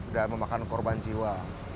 dan memakan korban jiwa